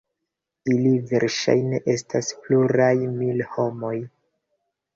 Ili verŝajne estas pluraj mil homoj.